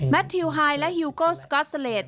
แมททิวฮายและฮิลโก้สก็อทซาเลท